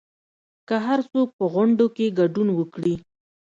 که هرڅوک په غونډو کې ګډون وکړي